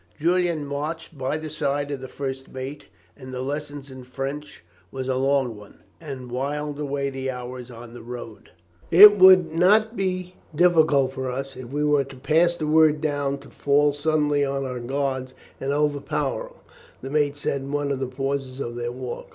Julian marched by the side of the first mate, and the lesson in French was a long one, and whiled away the hours on the road. "It would not be difficult for us, if we were to pass the word down, to fall suddenly on our guards and overpower them," the mate said in one of the pauses of their talk.